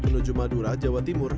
menuju madura jawa timur